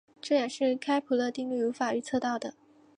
这也是开普勒定律无法预测到的。